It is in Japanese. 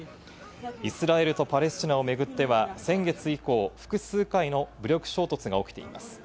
イスラエルとパレスチナをめぐっては先月以降、複数回の武力衝突が起きています。